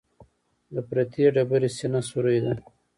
د پرتې ډبرې سینه سورۍ ده.